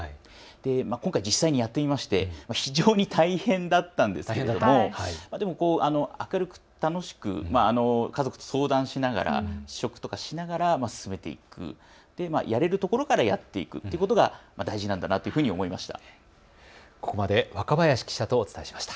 今回、実際にやってみまして非常に大変だったんですけれども明るく楽しく家族と相談しながら試食とかしながら進めていく、やれるところからやっていくということが大事なんだなというふうに思いました。